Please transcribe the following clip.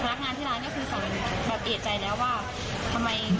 ทำไมมันรอจังหวะอะไรอย่างนี้ไม่ได้หรือเปล่าอะไรอย่างนี้ค่ะ